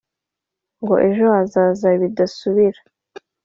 ngo ejo hazaza bidasubira.